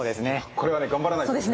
これは頑張らないとね。